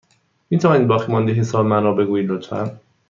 می توانید باقیمانده حساب من را بگویید، لطفا؟